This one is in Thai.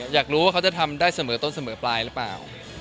อยากรู้ว่าเขาจะทำได้เสมอต้นเสมอปลายหรือเปล่า